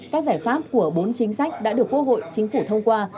các giải pháp của bốn chính sách đã được quốc hội chính phủ thông qua